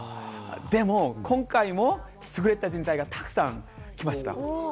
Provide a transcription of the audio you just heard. でも今回も優れた人材がたくさん来ました。